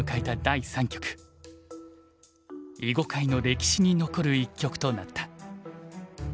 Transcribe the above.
囲碁界の歴史に残る一局となった。